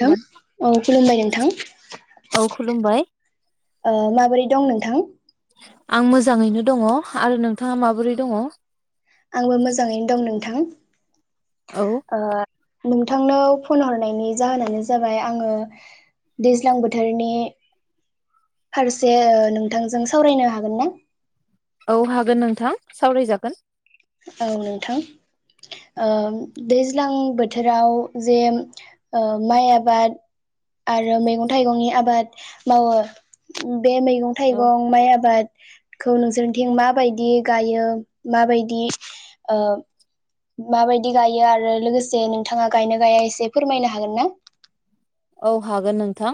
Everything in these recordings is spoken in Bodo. हेलौ औ खुलुमबाय नोंथां। औ खुलुमबाय। ओ माबोरै दं नोंथां। आं मोजाङैनो दङ आरो नोंथाङा माबोरै दङ? आंबो मोजाङैनो दं नोंथां। ओ नोंथांनो फन हरनायनि जाहोनानो जाबाय आङो दैज्लां बोथोरनि फारसे ओ नोंथांजों सावरायनो हागोन ना? औ हागोन नोंथां सावरायजागोन। औ नोंथां ओम दैज्लां बोथोराव जे ओ माइ आबाद आरो मैगं थाइगंनि आबाद मावो बे मैगं औ थाइगं माइ आबाद खौ नोंसोरनिथिं माबायदि गायो माबाय दि ओ माबायदि गायो आरो लोगोसे नोंथाङा गायनो गाया एसे फोरमायनो हागोन ना? औ हागोन नोंथां।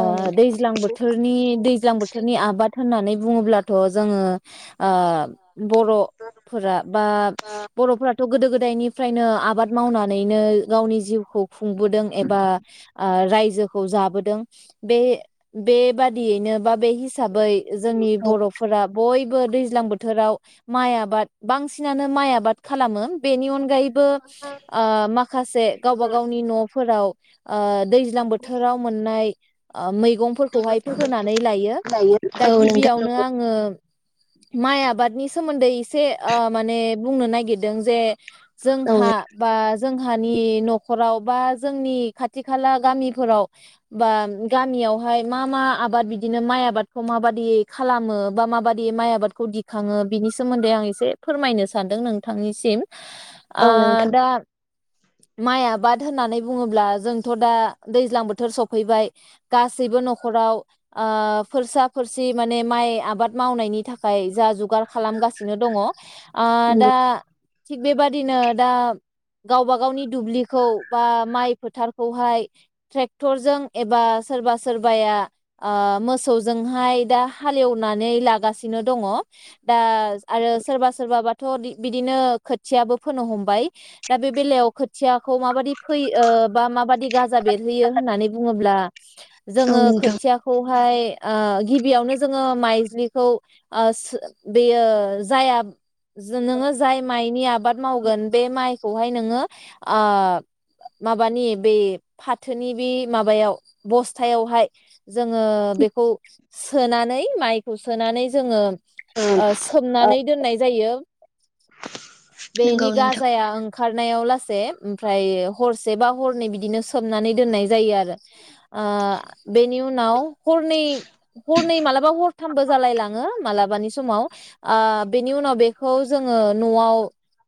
औ दैज्लां बोथोरनि दैज्लां बोथोरनि आबाद होननानै बुङोब्लाथ जोङो ओ बर'फोरा बा बर'फोराबो गोदो गोद दायनिफ्रायनो आबाद मावनानैनो गावनि जिउखौ खुंबोदों एबा रायजोखौ जाबोदों बे बेबादियैनो बा बे हिसा बै जोंनि बर'फोरा बय बो दैज्लां बोथोराव माइ आबाद बांसिनानो माइ आबाद खालामो बेनि अनगायै बो ओ माखासे गावबा गावनि नफोराव ओ दै ज्लां बोथोराव मोननाय ओ मै गंफोरखौहाय फोनानै लायो। दा नोंथां गिबियावनो आङो माइ आबादनि सोमोन्दै एसे ओ माने बुंनो नागिरदों जे औ जोंहा बा जोंहानि नखराव बा जोंनि खाथि खाला गामिफोराव बा गामियावहाय मा मा आबाद बिदिनो माइ आबादखौ माबादियै खालामो बा माबादियै माइ आबादखौ दिखाङो बिनि सोमोन्दै आं एसे फोरमायनो सानदों नोंथांनिसिम। ओ औ नोंथां दा माइ आबाद होननानै बुङोब्ला जोंथ दा दैज्लां बोथोर सफैबाय गासैबो नखराव ओ फोरसा फोरसि माने माइ आबाद मावनायनि थाखाय जा जुगार खालामगासिनो दङ ओ दा नंगौ थिग बेबादिनो दा गावबा गावनि दुब्लिखौ बा माइ फोथारखौहाय ट्रेक्टरजों एबा सोरबा सोरबाया ओ मोसौ जोंहाय दा हालेवनानै लागासिनो दङ दा आरो सोरबा सोरबा बा थ बिदिनो खोथियाबो फोनो हमबाय दा बे बेलायाव खोथियाखौ माबादि फोयो माबादि गाजा बेरहोयो होननानै बुङोब्ला औ जोङो नोंथां खोथियाखौहाय आ गिबि बेयावनो जोङो माइज्लिखौ ओ बेयो जाया जो नोङो जाय माइ नि आबाद मावगोन बे माइखौ हाय नोङो आ माबानि बे फाथोनि बे माबायाव बसथायावहाय जोङो बेखौ सोनानै माइखौ सोनानै जोङो ओम सोमनानै दोननाय जायो नंगौ बेनि औ नोंथां गाजाया ओं खारनायाव लासै ओमफ्राय हरसे से बा हरनै बिदिनो सोबनानै दोननाय जायो आरो बेनि उनाव हरनै हनै मालाबा हरथामबो जालाय लाङो मालाबानि समाव ओ बेनि उनाव बेखौ जोङो नआव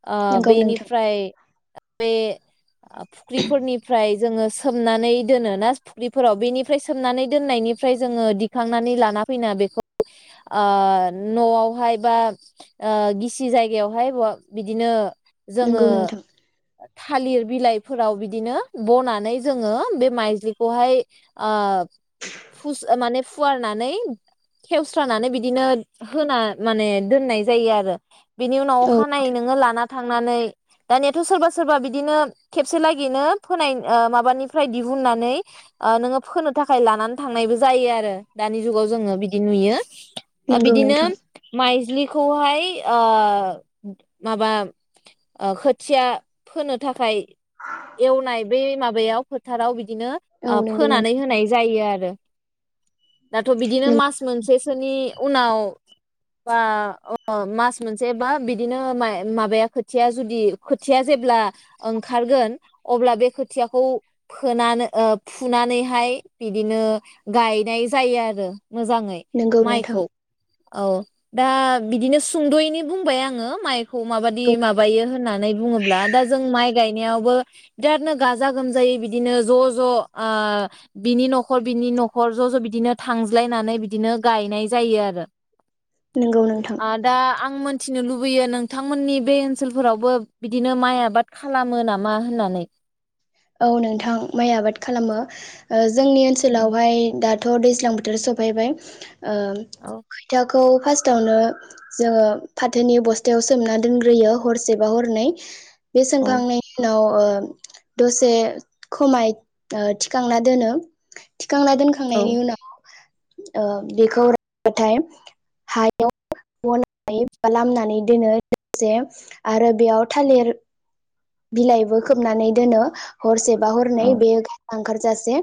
ओ नंगौ नोंथां बेनिफ्राय बे फुख्रिफोरनिफ्राय जोङो सोमनानै दोनो ना फुख्रिफोराव बेनिफ्राय सोमनानै दोननायनिफ्राय जोङो दिखांनानै लाना फैना बेखौ ओ नआवहाय बा ओ गिसि जायगायावहाय बिदिनो जोङो नंगौ नोंथां थालिर बिलाइ फोराव बिदिनो बनानै जोङो बे माइज्लिखौहाय ओ फुस माने फुवारनानै खेवस्रानानै बिदिनो होना माने दोननाय जायो आरो बिनि उनाव अखानायै नोङो लाना थांनानै दानियाथ सोरबा सोरबा बिदिनो खेबसे लागैनो फोनाय ओ माबानिफ्राय दिहुननानै ओ नोङो फोनो थाखाय लानानै थांनायबो जायो आरो दानि जुगाव जोङो बिदि नुयो नंगौ बिदिनो नोंथां माइज्लि खौहाय ओ माबा खोथिया फोनो थाखाय एवनाय बै माबायाव फोथाराव बिदिनो औ ओ नंगौ नोंथां फोनानै होनाय जायो आरो रो [inaudible] दाथ औ बिदिनो मास मोनसेसोनि उनाव बा मास मोनसे बा बिदिनो माबाया खोथिया जुदि खोथिया जेब्ला ओंखारगोन अब्ला बे खोथियाखौ फोनानै फुनानैहाय बिदिनो गायनाय जायो आरो मोजाङै नंगौ नोंथां नंगौ नोंथां माइखौ औ दा बिदिनो सुंद'यैनि बुंबाय आङो माइखौ माबाददि औ माबायो होननानै बुङोब्ला दा जों माइ गायनायावबो बिरादनो गाजा गोमजायै बिदिनो ज' ज' ओ बिनि न'खर बिनि न'खर ज' ज' बिदिनो थांज्लायनानै बिदिनो गायनाय जायो आरो। नंगौ नोंथां आ दा आं मोन मिथिनो लुबैयो नोंथांमोननि बे ओनसोलफोरावबो बिदिनो माइ आबाद खालामो नामा होननानै औ नोंथां माइ आबाद खालामो। जोंनि ओनसोलावहाय दा थ' दैज्लां बोथोर सफैबाय। ओ औ खोथिया खौ फार्स्टावनो जोङो फाथोनि बस्थायाव सोमना दोनग्रोयो हरसेबा हरनै। बे औ सोमखांनायनि उनाव ओ [inaudible] दसे खमाय ओ थिखांना दोनो। थिखांना दोनखांनायनि औ उनाव ओ बेखौ रानबाथाय हायाव बनानै बा लामनानै दोनो लोगोसे आरो बेयाव थालिर बिलाइबो खोबनानै दोनो हरसेबा हरनै बे ओंखार जासे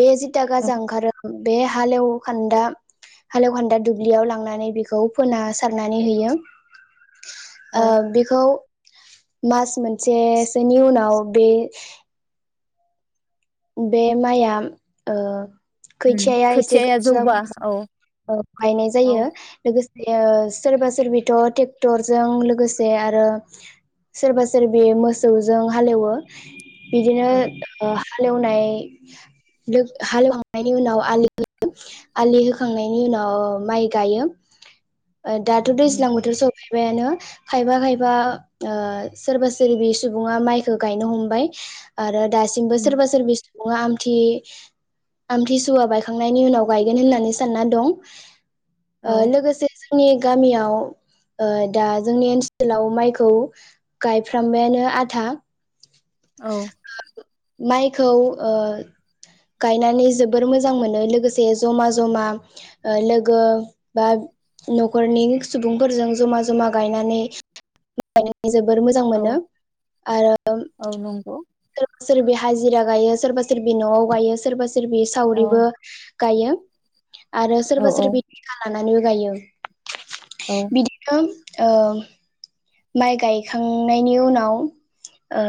बे जिथा औ गाजा ओंखारो बे हालेवखान्दा हालेवखान्दा दुब्लियाव लांनानै बेखौ फोना सारनानै होयो। ओ औ बेखौ मास मोन मोनसे सोनि उनाव बे बे माइआ उम खोथियाया एसे खोथियाया गोजौ जौबा औ जाबोबा गायनाय जायो औ लोगोसे सोरबा सोरबिथ' ट्रेक्टरजों लोगोसे आरो सोरबा सोरबि मोसौजों हालेवो। बिदिनो औ ओ हालेवनाय लो-हालेवखांनायनि उनाव आलि आलि होखांनायनि उनाव माइ गायो। दाथ' उम दैज्लां बोथोर स स'फैबायानो खायफा खायफा सोरबा सोरबि सुबुङा माइखौ गायनो हमबाय आरो। दासिमबो उम सोरबा सोरबि आमथि आमथिसुवा बायखांनायनि उनाव गायगोन होननानै सानना दं। औ ओ लोगोसे [unintelligible] जोंनि गामियाव ओ दा जोंनि ओनसोलाव माइखौ गायफ्रामबायानो आधा । औ माइखौ ओ गायनानै जोबोर मोजां मोनो लोगोसे जमा-जमा ओ लोगो बा नखरनि सुबुंफोरजों जमा-जमा गायनानै जोबोर मोजां औ मोनो आरो औ नंगौ सोरबा सोरबि हाजिरा गायो सोरबा सोरबि न'आव गायो सोरबा सोर सोरबि औ सावरिबो गायो । आरो औ सोरबा औ सोरबि [unintelligible] नानैबो गायो औ बिदिनो ओ माइ गायखांनायनि उनाव ओ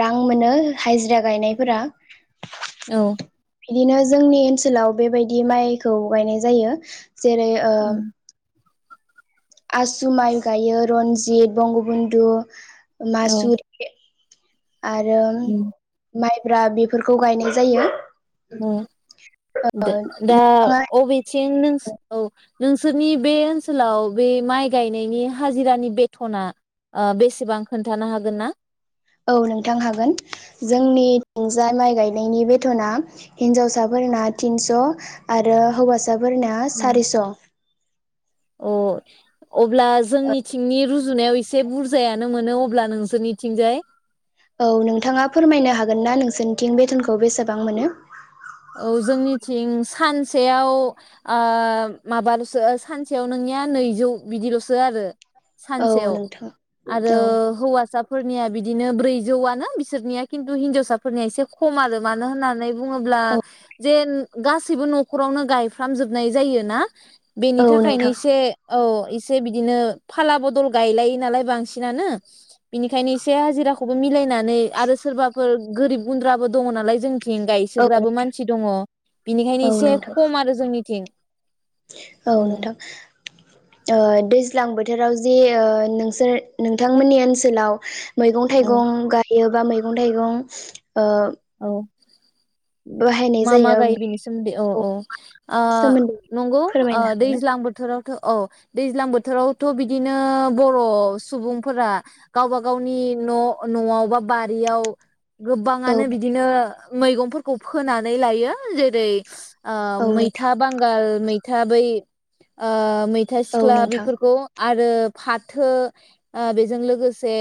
रां मोनो हाजिरा गायनायफोरा । औ बिदिनो जोंनि ओनसोलाव बेबायदि माइखौ गायनाय जायो । जेरै ओ उम आसु माइ गायो रनजित बंगबन्धु औ मासुरखे आरो उम माइ ब्रा बेफोरखौ गायनाय जायो ओम दो दा नोंथाङा अबेथिं नोंस औ नोंसोरनि बे ओनसोलाव बे माइ गायनायनि हाजिरानि बेथना ओ बेसेबां खोन्थानो हागोन ना? औ नोंथां हागोन जोंनि थिंजा माइ गायनायनि बेथना हिन्जावसाफोरना थिनस' आरो हौवासा साफोरना सारिस' । अ अब्ला जोंनिथिंनि रुजु जुनायाव एसे बुरजायानो मोनो अब्ला नोंसिनिथिंजाय औ नोंथाङा फोरमायनो हागोन ना नोंसिनिथिं बेथनखौ बेसेबां मोनो? औ जोंनिथिं सानसेयाव ओ माबाल'सो सानसेयाव नोंनिया नैजौ बिदिल'सो आरो औ सानसेयाव नोंथां आरो औ हौवासा फोरनिया बिदिनो ब्रैजौआनो बिसोरनिया किन्थु हिनजावसाफोरनिया एसे खम आरो मानो होननानै बुङोब्ला औ जेन गासैबो नखरावनो गायफ्रामजोबनाय जायो ना बेनि औ थाखायनो नोंथां एसे औ एसे बिदिनो फाला बदल गायलायो नालाय बांसिनानो बिनिखायनो एसे हाजिराखौबो मिलायना नै आरो सोरबाफोर गोरिब गुन्द्राबो दङ नालाय जों थिं औ गायसोग्राबो मान दङ बिनिखायनो औ एसे नोंथां खम आरो जों निथिं औ नोंथां ओ दैज्लां बोथोराव जे ओ नोंसोर नोंथांमोननि ओनसोलाव मैगं औ थाइगं गाय गायोबा मैगं थाइगं ओ औ बाहायनाय जायो अ ओ सोमोन्दै नंगौ ओ फोरमायनो हागोन ना? दैज्लां बोथोराव औ दैज्लां बोथोरावथ बिदिनो बर' सुबुंफोरा गावबा गावनि न' न'आव बा बारियाव औ गोबाङानो बिदिनो मैगंफोरखौ फोनानै लायो जेरै ओ औ नोंथां मैथा बांगाल मै था बै ओ मैथा औ सिख्ला नोंथां बेफोरखौ आरो फाथो ओ बेजों लोगोसे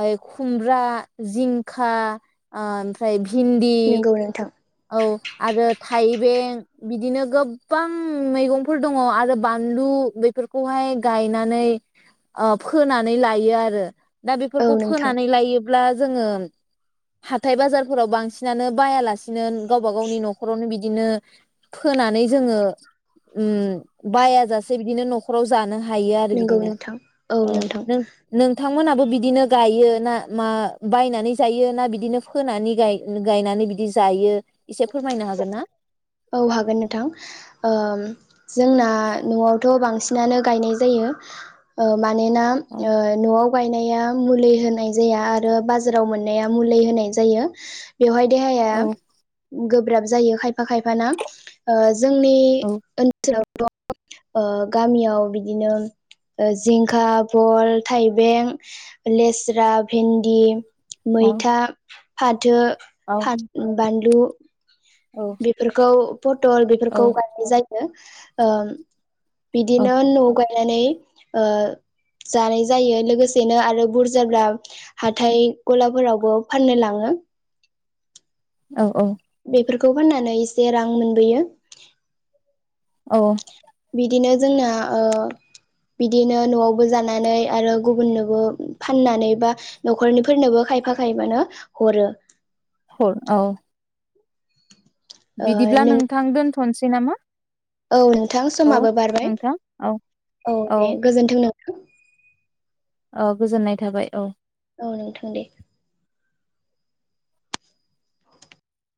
ओ खुमब्रा जिंखा ओ ओमफ्राय भिन्दी नंगौ नोंथां औ आरो थाइबें बिदिनो गोबां मैगंफोर दङ आरो बानलु बेफोरखौहाय गायनानै ओ फोनानै लायो आरो । दा औ बेफोरखौ नोंथां फोनानै लायो ब्ला जोंङो हाथाय बाजारफोराव बांसिनानो बायालासे [unintelligible] गावबा गावनि न'खरावनो बिद बिदिनो फोनानै जोङो उम्म बायाजासे बिदिनो न'खराव जानो हायो आरो नंगौ बिदिनो नोंथां औ ओ नोंथां नों नोंथामोनाबो बिदि बिदिनो गायो ना मा बायनानै जायो ना बिदिनो फोनानै गाय गायनानै बिदि जायो एसे फोरमायनो हागोन ना? औ हागोन नोंथां ओ जोंना न'आवथ बांसिन बांसिनानो गायनाय जायो ओ मा मानोना औ ओ न'आव गायनाया मुलि होनाय जाया आरो बाजाराव मोननाया मुलि होनाय जायो। बेवहाय देहाया औ गोब्राब जायो खाय फा खायफाना ओ जोंनि औ ओनसोलाव [unintelligible] ओ गामियाव बिदिनो ओ जिंखा बल थाइबें लेस्रा भिन्दि औ मैथा फाथो औ फाद बान लु औ बेफोरखौ फटल औ बेफोरखौ गायनाय जायो। यो ओ औ बिदिनो न'आव गाय नानै ओ जानाय जायो लोगोसेनो आरो बुरजाब्ला हाथाय गलाफोरावबो फाननो लाङो। औ औ। बेफोरखौ फाननानै एसे रां मोनबोयो। औ। दिनो जोंना ओ बिदिनो न'आवबो जानानै आरो गुबुननोबो फाननानै बा न'खरनिफोरनोबो खायफा खायफानो हरो। हर औ। ओ बिदिब्ला नों नोंथां दोन्थ'नसो सै नामा? औ नोंथां औ समाबो बारबाय नोंथां औ औ दे गोजोन्थों नों [inaudible] औ गोजोननाय थाबाय औ। औ नोंथां दे।